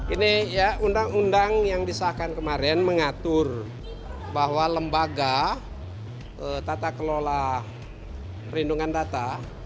ini ya undang undang yang disahkan kemarin mengatur bahwa lembaga tata kelola perlindungan data